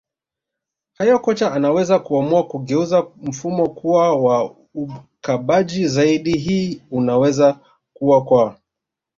hayo kocha anaweza kuamua kugeuza mfumo kuwa wa ukabaji zaidi hii inaweza kua kwa